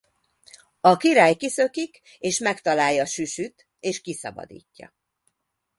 A Király kiszökik és megtalálja Süsüt és kiszabadítja.